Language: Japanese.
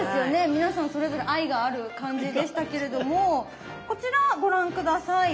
皆さんそれぞれ愛がある感じでしたけれどもこちらご覧下さい。